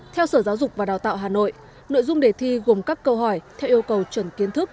theo sở giáo dục và đào tạo hà nội nội dung đề thi gồm các câu hỏi theo yêu cầu chuẩn kiến thức